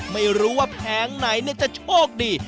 ไม่รู้ว่าแผงไหนจะโชคดี